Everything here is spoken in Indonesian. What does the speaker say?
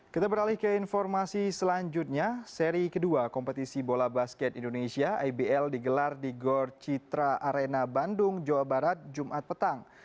kita beralih ke informasi selanjutnya seri kedua kompetisi bola basket indonesia ibl digelar di gor citra arena bandung jawa barat jumat petang